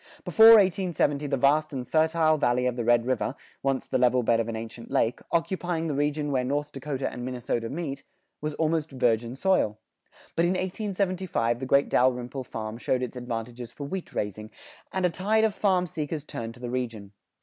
Before 1870 the vast and fertile valley of the Red River, once the level bed of an ancient lake, occupying the region where North Dakota and Minnesota meet, was almost virgin soil. But in 1875 the great Dalrymple farm showed its advantages for wheat raising, and a tide of farm seekers turned to the region.